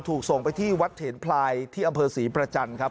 ถูกส่งไปที่วัดเถนพลายที่อำเภอศรีประจันทร์ครับ